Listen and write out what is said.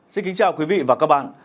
xin kính chào quý vị và các bạn